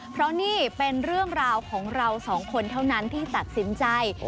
เพราะนี่เป็นเรื่องราวของเราสองคนเท่านั้นที่ตัดสินใจ